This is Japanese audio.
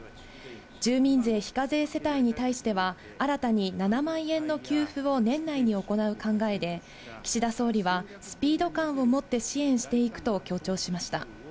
住民税非課税世帯に対しては、新たに７万円の給付を年内に行う考えで、岸田総理はスピード感を持って支援していくと強調しました。